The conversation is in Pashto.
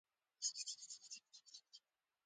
شېبه وروسته مينې خپلې سترګې د حشمتي لوري ته پورته کړې.